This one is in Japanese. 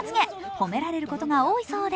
褒められることが多いそうで